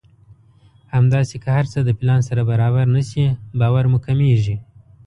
همداسې که هر څه د پلان سره برابر نه شي باور مو کمېږي.